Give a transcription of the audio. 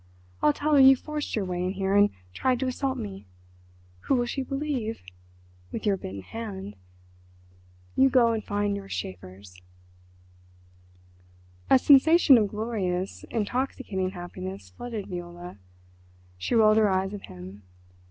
"I'll tell her you forced your way in here and tried to assault me. Who will she believe?—with your bitten hand. You go and find your Schäfers." A sensation of glorious, intoxicating happiness flooded Viola. She rolled her eyes at him.